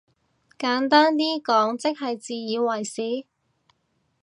簡單啲講即係自以為是？